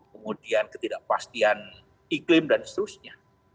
kemudian ketidakpastian iklim dan seterusnya